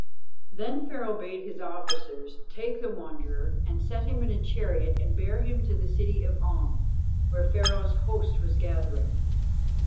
Then Pharaoh bade his officers take the Wanderer, and set him in a chariot and bear him to the city of On, where Pharaoh's host was gathering.